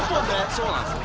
そうなんですよ。